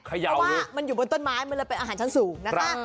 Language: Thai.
เพราะว่ามันอยู่บนต้นไม้มันเป็นอาหารชั้นสูงนะคะ